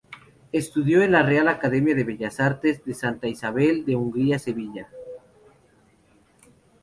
Estudió en la Real Academia de Bellas Artes de Santa Isabel de Hungría, Sevilla.